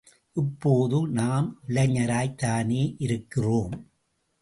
இப்போது நாம் இளைஞராய்த் தானே இருக்கிறோம்.